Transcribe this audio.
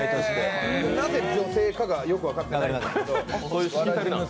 なぜ女性かが、よく分かってません。